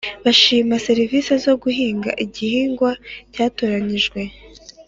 Bashima serivisi zo guhinga igihingwa cyatoranijwe